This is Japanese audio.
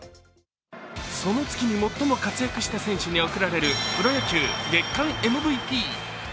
その月に最も活躍した選手に贈られるプロ野球月間ＭＶＰ。